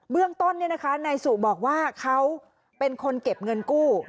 เบื้องต้นเนี่ยนะคะนายสุออกบอกว่าเขาเป็นคนเก็บเงินกู้